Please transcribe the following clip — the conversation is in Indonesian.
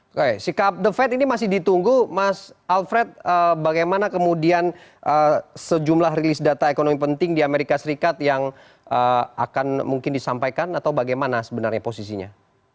oke sikap the fed ini masih ditunggu mas alfred bagaimana kemudian sejumlah rilis data ekonomi penting di amerika serikat yang akan mungkin disampaikan atau bagaimana sebenarnya posisinya